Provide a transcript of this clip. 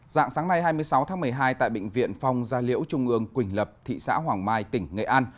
dạng sáng nay hai mươi sáu tháng một mươi hai tại bệnh viện phong gia liễu trung ương quỳnh lập thị xã hoàng mai tỉnh nghệ an